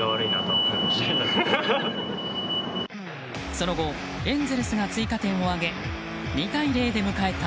その後エンゼルスが追加点を挙げ２対０で迎えた